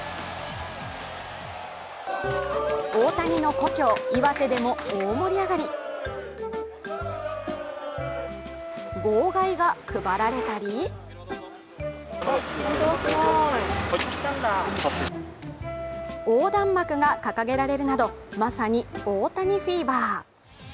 大谷の故郷・岩手でも大盛り上がり号外が配られたり横断幕が掲げられるなどまさに、大谷フィーバー。